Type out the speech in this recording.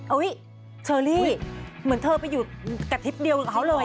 โอ๊ยเทอร์ลี่เหมือนเธอไปอยู่กับทิพย์เดียวของเขาเลย